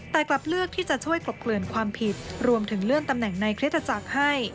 แต่กลับเลือกที่จะช่วยกลบเกลื่อนความผิดรวมถึงเลื่อนตำแหน่งในคริสตจักรให้